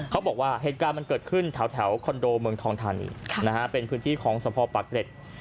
เขาบอกว่าเหตุการณ์มันเกิดขึ้นแถวคอนโดเมืองทองทานีเป็นพื้นที่ของสมภาพปากเกร็ด